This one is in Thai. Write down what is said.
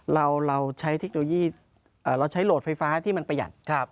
เราใช้เทคโนโลยีเราใช้โหลดไฟฟ้าที่มันประหยัด